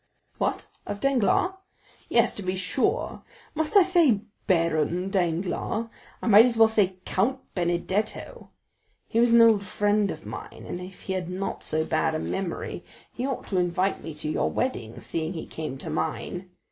"What? of Danglars?" "Yes, to be sure; must I say Baron Danglars? I might as well say Count Benedetto. He was an old friend of mine and if he had not so bad a memory he ought to invite me to your wedding, seeing he came to mine.